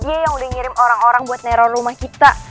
iya yang udah ngirim orang orang buat nerol rumah kita